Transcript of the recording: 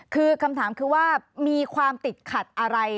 คือคำถามคือว่ามีความติดขัดอะไร